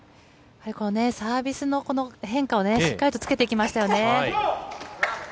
サービスのこの変化をしっかりとつけてきましたよね。